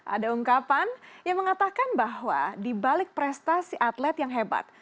ada ungkapan yang mengatakan bahwa dibalik prestasi atlet yang hebat